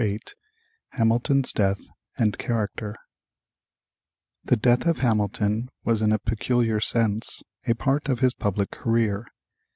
VIII HAMILTON'S DEATH AND CHARACTER The death of Hamilton was in a peculiar sense a part of his public career.